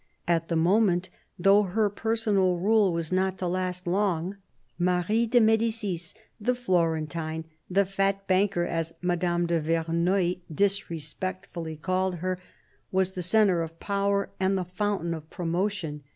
At the moment, though her personal rule was not to last long, Marie de Medicis, the Florentine, the "fat banker," as Madame de Verneuil disrespectfully called her, was the centre of power and the fountain of promotion.